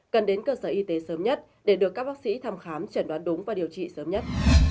cần đến cơ sở y tế sớm nhất để được các bác sĩ thăm khám chẩn đoán đúng và điều trị sớm nhất